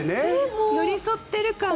寄り添っている感が。